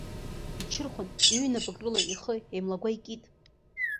Иҽырхәан иҩнапык рыла ихы еимлагәа икит.